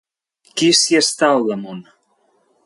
Qui s'hi està al damunt?